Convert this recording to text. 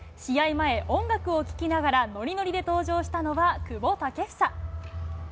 前、音楽を聴きながらノリノリで登場したのは久保建英。